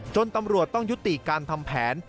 ตำรวจต้องยุติการทำแผน